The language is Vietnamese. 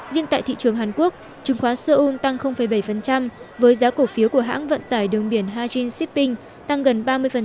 riêng tại thị trường hàn quốc chứng khoán seoul tăng bảy với giá cổ phiếu của hãng vận tải đường biển hajinshipping tăng gần ba mươi